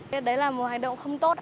thế đấy là một hành động không tốt